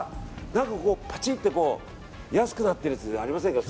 何かここ、パチッて安くなっているやつありませんか？